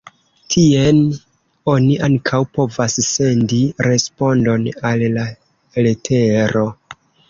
Tien oni ankaŭ povas sendi respondon al la letero.